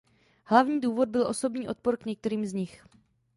Hlavní důvod byl osobní odpor k některým z nich.